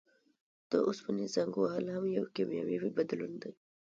د اوسپنې زنګ وهل هم یو کیمیاوي بدلون دی.